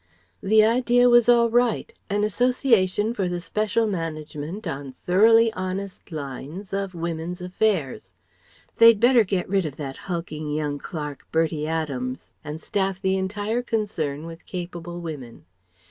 The idea was all right; an association for the special management on thoroughly honest lines of women's affairs. They'd better get rid of that hulking young clerk, Bertie Adams, and staff the entire concern with capable women.